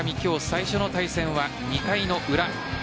最初の対戦は２回の裏。